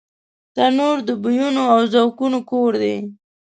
تنور د بویونو او ذوقونو کور دی